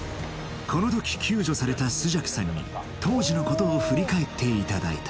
この時救助された朱雀さんに当時のことを振り返っていただいた